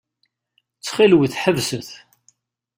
Ttxil-wet, ḥebset.